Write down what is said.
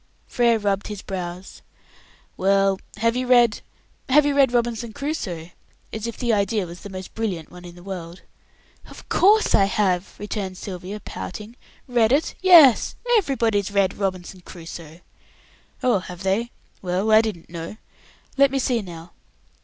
Frere rubbed his brows. "Well, have you read have you read 'Robinson Crusoe?'" as if the idea was a brilliant one. "Of course I have," returned Sylvia, pouting. "Read it? yes. Everybody's read 'Robinson Crusoe!'" "Oh, have they? Well, I didn't know; let me see now."